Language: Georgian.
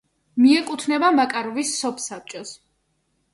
მიეკუთვნება მაკაროვის სოფსაბჭოს.